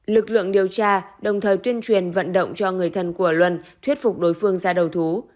lực lượng điều tra đồng thời tuyên truyền vận động cho người thân của luân thuyết phục đối phương ra đầu thú